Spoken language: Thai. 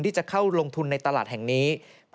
ที่จะเข้าลงทุนในตลาดแห่งนี้